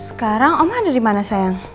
sekarang oma ada dimana sayang